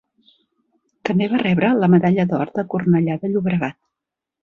També va rebre la Medalla d'Or de Cornellà de Llobregat.